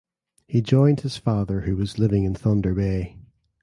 He joined his father who was living in Thunder Bay.